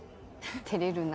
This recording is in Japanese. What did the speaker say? てれるな。